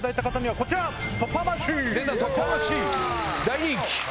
大人気。